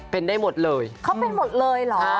เป็นได้หมดเลยเขาเป็นหมดเลยเหรอ